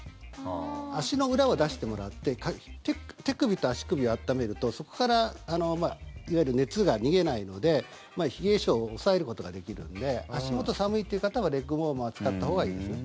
足の裏を出してもらって手首と足首を温めるとそこからいわゆる熱が逃げないので冷え性を抑えることができるので足元寒いという方はレッグウォーマーを使ったほうがいいですね。